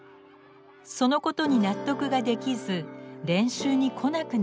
そのことに納得ができず練習に来なくなりました。